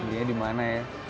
ini di mana ya